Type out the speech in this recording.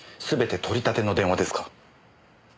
すべて取り立ての電話ですか？